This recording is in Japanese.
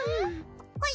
はい。